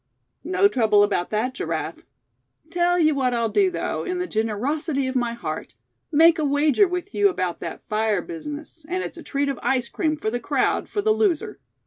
"No trouble about that, Giraffe. Tell you what I'll do, though, in the generosity of my heart make a wager with you about that fire business; and it's a treat of ice cream for the crowd, for the loser."